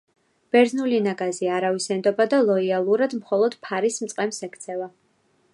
ბერძნული ნაგაზი არავის ენდობა და ლოიალურად მხოლოდ ფარის მწყემსს ექცევა.